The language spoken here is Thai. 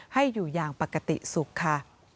ให้อยู่อย่างปกติสุขค่ะ